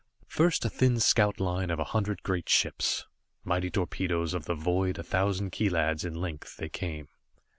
First a thin scoutline of a hundred great ships, mighty torpedoes of the void a thousand kilads in length, they came.